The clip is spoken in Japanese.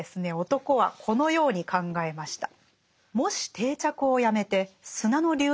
男はこのように考えました。